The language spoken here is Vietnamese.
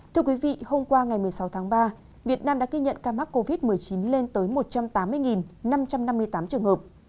thưa quý vị hôm qua ngày một mươi sáu tháng ba việt nam đã ghi nhận ca mắc covid một mươi chín lên tới một trăm tám mươi năm trăm năm mươi tám trường hợp